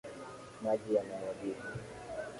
Maji yamemwagika